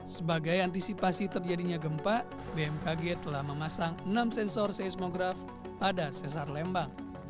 sebagai antisipasi terjadinya gempa bmkg telah memasang enam sensor seismograf pada sesar lembang